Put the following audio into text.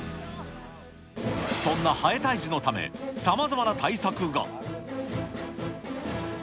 そんなハエ退治のため、さまざまな対策が。